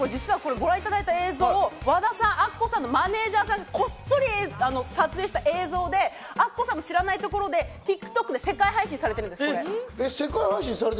ご覧いただいた映像はアッコさんのマネジャーさんが撮影した映像でアッコさんの知らないところでＴｉｋＴｏｋで世界配信されてるんですって。